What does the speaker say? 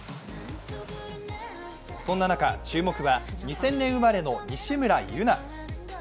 そんな中、注目は２０００年生まれの西村優菜。